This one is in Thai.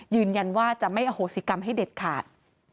ยืนยันว่าจะไม่อโหสิกรรมให้เด็ดขาด